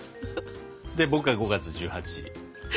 で僕が５月１８。